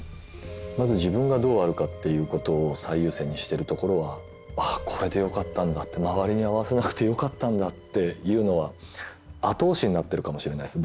まず自分がどうあるかっていうことを最優先にしてるところはああこれでよかったんだって周りに合わせなくてよかったんだっていうのは後押しになってるかもしれないです